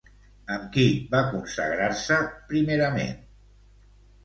Amb qui va consagrar-se, primerament?